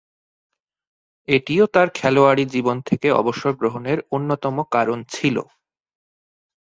এটিও তার খেলোয়াড়ী জীবন থেকে অবসর গ্রহণের অন্যতম কারণ ছিল।